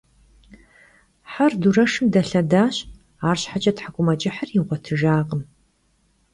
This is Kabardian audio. Her dureşşım delhedaş, arşheç'e thek'umeç'ıhır yiğuetıjjakhım.